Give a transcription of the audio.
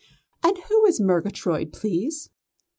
"And who is Murgatroyd, please?"